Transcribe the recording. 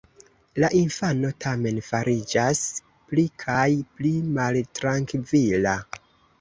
La infano tamen fariĝas pli kaj pli maltrankvila.